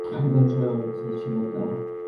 খালিদ এ অনুষ্ঠানে উপস্থিত ছিলেন না।